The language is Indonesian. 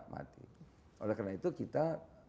mati oleh karena itu kita